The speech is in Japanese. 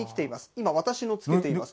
今、私のつけています